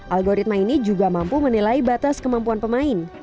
algoritma ini juga mampu menilai batas kemampuan pemain